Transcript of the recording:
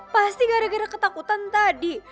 pasti gara gara ketakutan tadi